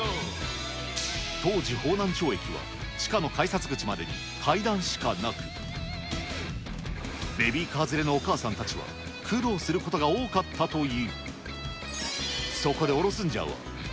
当時、方南町駅地下まで階段しかなく、ベビーカー連れのお母さんたちは苦労することが多かったという。